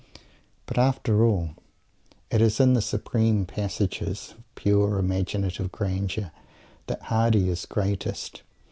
But, after all, it is in the supreme passages of pure imaginative grandeur that Mr. Hardy is greatest.